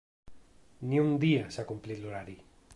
Ni un dia s’ha complit l’horari.